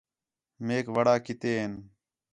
میک وڑا کِتے ہین